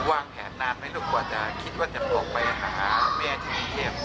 หวังแผ่นนานไหมลอก่อนจะคิดว่าจะพ่อไปหาแม่ชีวิเชฟ